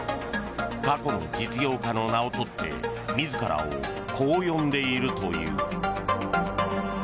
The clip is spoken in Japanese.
過去の実業家の名を取って自らをこう呼んでいるという。